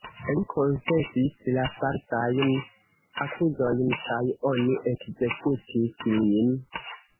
Li konfesis la falsajn akuzojn kaj oni ekzekutis lin.